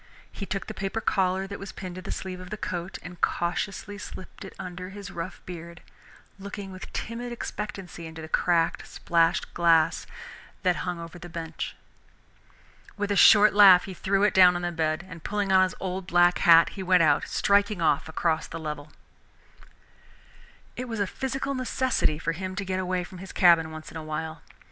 He took the paper collar that was pinned to the sleeve of the coat and cautiously slipped it under his rough beard, looking with timid expectancy into the cracked, splashed glass that hung over the bench. With a short laugh he threw it down on the bed, and pulling on his old black hat, he went out, striking off across the level. It was a physical necessity for him to get away from his cabin once in a while.